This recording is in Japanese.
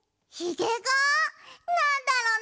なんだろう？